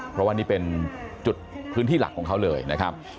เพราะว่านี่เป็นจุดพื้นที่หลักของเขาเลยนะครับ